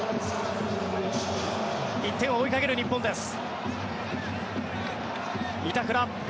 １点を追いかける日本です。